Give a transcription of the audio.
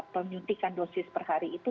penyuntikan dosis perhari itu